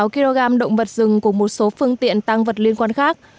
hai trăm bảy mươi bốn sáu kg động vật rừng cùng một số phương tiện tăng vật liên quan khác